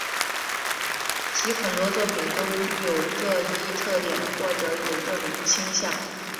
其很多作品都有这一特点或有这种倾向。